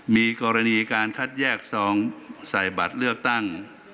มีกรณีการคัดแยกซองใส่บัตรเลือกตั้ง